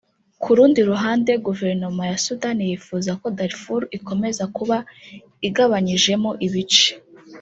Ku rundi ruhande guverinoma ya Sudani yifuza ko Darfour ikomeza kuba igabanyijemo ibice